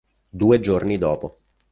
Due giorni dopo.